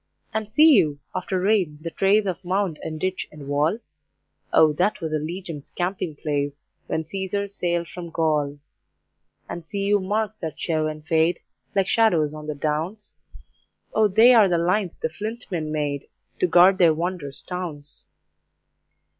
And see you, after rain, the trace Of mound and ditch and wall? O that was a Legion's camping place, When Caesar sailed from Gaul. And see you marks that show and fade, Like shadows on the Downs? O they are the lines the Flint Men made To guard their wondrous towns.